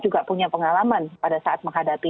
juga punya pengalaman pada saat menghadapi